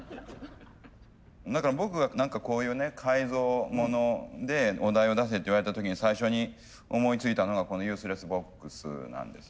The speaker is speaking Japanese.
だから僕が何かこういうね改造ものでお題を出せって言われた時に最初に思いついたのがこのユースレスボックスなんですよ。